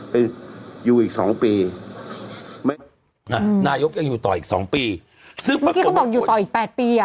เมื่อกี้เขาบอกอยู่ต่ออีก๘ปีอ่ะ